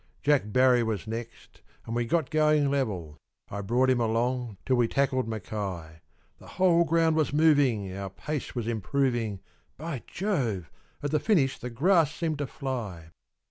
Jack Barry was next, and we got going level, I brought him along till we tackled Mackay; The whole ground was moving, our pace was improving, By Jove! at the finish the grass seemed to fly.